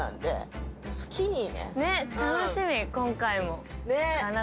楽しみ今回も。